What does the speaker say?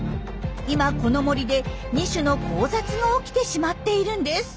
今この森で２種の交雑が起きてしまっているんです。